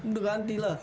udah ganti lah